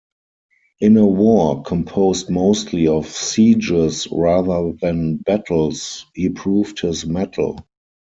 In a war composed mostly of sieges rather than battles, he proved his mettle.